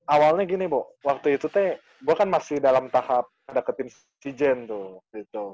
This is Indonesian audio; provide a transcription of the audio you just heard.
awalnya gini bu waktu itu tuh gue kan masih dalam tahap deketin si jen tuh